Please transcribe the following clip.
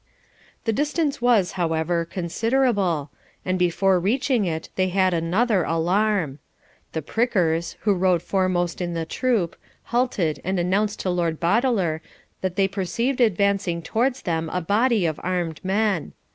The distance was, however, considerable, and before reaching it they had another alarm. The prickers, who rode foremost in the troop, halted and announced to the Lord Boteler, that they perceived advancing towards them a body of armed men.